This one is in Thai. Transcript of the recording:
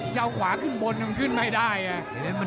จะเอาขวาขึ้นบนมันขึ้นไม่ได้ไง